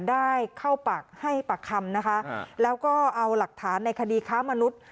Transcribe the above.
ได้เข้าปากให้ปากคำนะคะแล้วก็เอาหลักฐานในคดีค้ามนุษย์